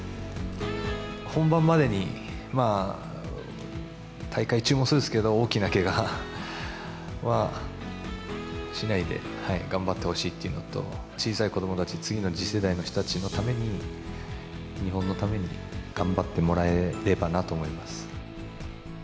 本番までに大会中もそうですけど、大きなけがはしないで、頑張ってほしいというのと、小さい子どもたち、次の次世代の人たちのために、日本のために頑張ってもらえればなと思います。